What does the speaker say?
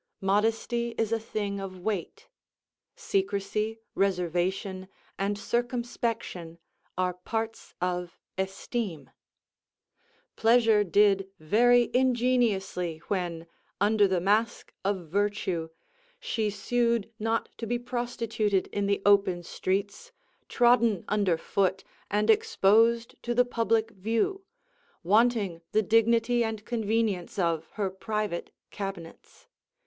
Modesty is a thing of weight; secrecy, reservation, and circumspection, are parts of esteem. Pleasure did very ingeniously when, under the mask of virtue, she sued not to be prostituted in the open streets, trodden under foot, and exposed to the public view, wanting the dignity and convenience of her private cabinets.